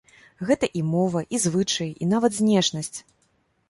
Гэта і мова, і звычаі, і нават знешнасць.